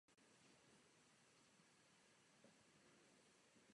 Polárka polohu státu.